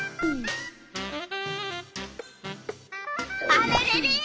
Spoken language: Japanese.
あれれれ？